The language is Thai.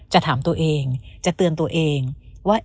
จะถามตัวเองจะเตือนตัวเองว่า